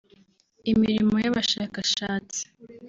imirimo y’Abashakashatsi